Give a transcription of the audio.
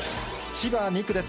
千葉２区です。